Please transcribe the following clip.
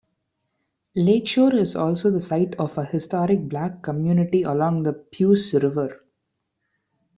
Lakeshore is also the site of a historic black community along the Puce River.